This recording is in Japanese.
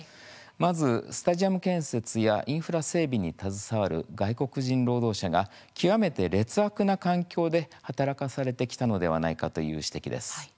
まず、スタジアム建設やインフラ整備に携わる外国人労働者が極めて劣悪な環境で働かされてきたのではないかという指摘です。